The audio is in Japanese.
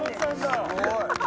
すごい！